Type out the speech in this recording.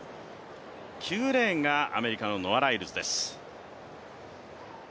９レーンがアメリカのノア・ライルズです。